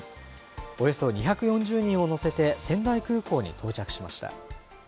およそ２４０人を乗せて、仙台空港に到着しました。